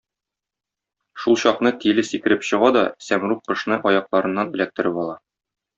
Шулчакны Тиле сикереп чыга да Сәмруг кошны аякларыннан эләктереп ала.